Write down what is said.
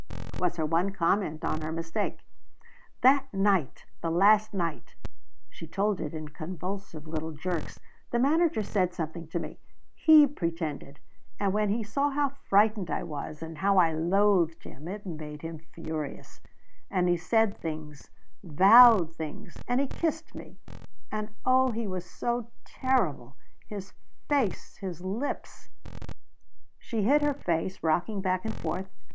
was her one comment on her mistake. "That night the last night " she told it in convulsive little jerks "the manager said something to me. He pretended. And when he saw how frightened I was and how I loathed him it made him furious and he said things vowed things and he kissed me and oh he was so terrible his face his lips " She hid her face, rocking back and forth.